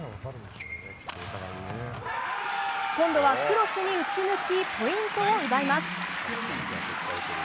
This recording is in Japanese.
今度はクロスに打ち抜きポイントを奪います。